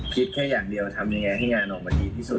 คิดแค่อย่างเดียวทำยังไงให้งานออกมาดีที่สุด